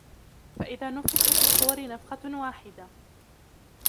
فإذا نفخ في الصور نفخة واحدة